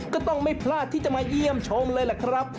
ก็ไม่พลาดที่จะมาเยี่ยมชมเลยล่ะครับ